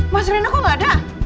mas reina kok gak ada